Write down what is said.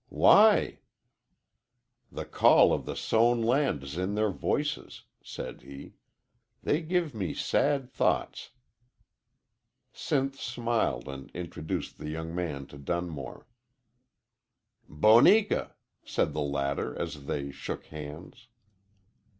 "Why?" "The call of the sown land is in their voices," said he. "They give me sad thoughts." Sinth smiled and introduced the young man to Dunmore. "Boneka!" said the latter as they shook hands.